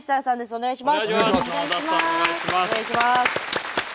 お願いします。